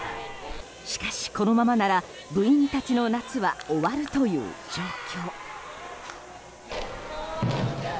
しかし、このままなら部員たちの夏が終わる状況。